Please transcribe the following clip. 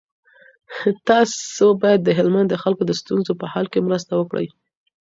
تاسو باید د هلمند د خلکو د ستونزو په حل کي مرسته وکړئ.